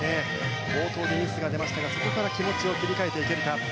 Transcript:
冒頭でミスが出ましたがそこから気持ちを切り替えていけるか。